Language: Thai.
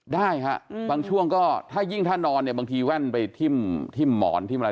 ได้ฮะบางช่วงก็ถ้ายิ่งถ้านอนเนี่ยบางทีแว่นไปทิ้มหมอนทิ้มอะไร